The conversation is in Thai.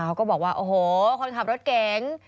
ก็บอกว่าโอ้โหคนขับรถเก๋ง